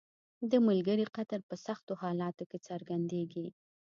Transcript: • د ملګري قدر په سختو حالاتو کې څرګندیږي.